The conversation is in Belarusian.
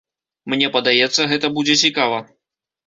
Мне падаецца, гэта будзе цікава.